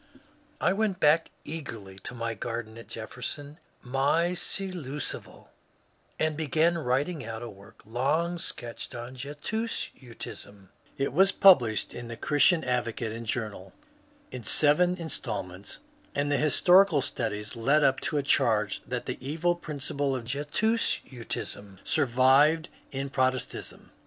I went back eagerly to my garden at Jefferson — my *^ Seolosaval "— and began writ ing out a work long sketched on ^^ Jesuitism/' It was published in the ^* Christian Advocate and Journal" in seven instal mentSf and the historical studies led up to a charge that the evil principle of Jesuitism survived in Protestantism.